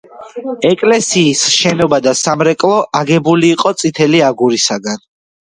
ეკლესიის შენობა და სამრეკლო აგებული იყო წითელი აგურისაგან.